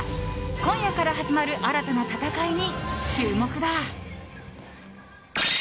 今夜から始まる新たな戦いに注目だ。